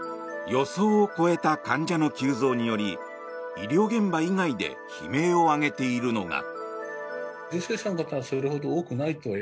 予想を超えた患者の急増により医療現場以外で悲鳴を上げているのが。